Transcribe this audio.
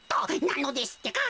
なのですってか。